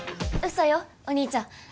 嘘よお義兄ちゃん。